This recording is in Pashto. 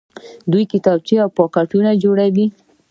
دوی کتابچې او پاکټونه جوړوي.